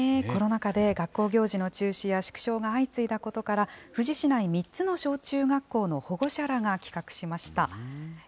コロナ禍で学校行事の中止や縮小が相次いだことから、富士市内３つの小中学校の保護者らが企画しました。